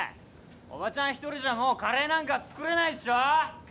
おばちゃん一人じゃもうカレーなんか作れないっしょ？